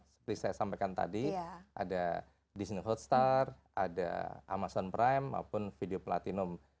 seperti saya sampaikan tadi ada disney hotstar ada amazon prime maupun video platinum